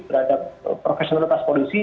berhadap profesional atas polisi